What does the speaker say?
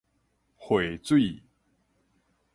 匯水